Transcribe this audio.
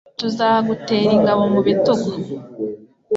tuzagutera ingabo mu bitugu